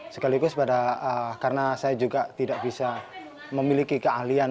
sekaligus karena saya juga tidak bisa memiliki keahlian